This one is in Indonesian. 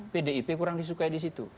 pdip kurang disukai di situ